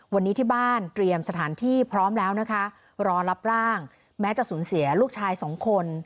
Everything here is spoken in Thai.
วันนี้ที่บ้านเตรียมสถานที่พร้อมแล้วนะคะรอรับร่างแม้จะสูญเสียลูกชายสองคน